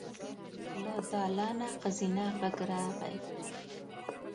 له دالانه ښځينه غږ راغی.